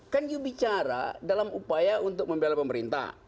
kan you bicara dalam upaya untuk membela pemerintah